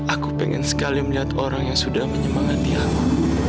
aku pengen sekali melihat orang yang sudah menyemangati allah